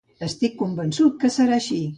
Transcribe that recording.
Estic convençut que serà així.